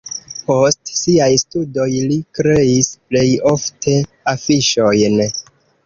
Post siaj studoj li kreis plej ofte afiŝojn.